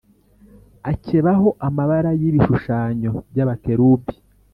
akebaho amabara y’ibishushanyo by’abakerubi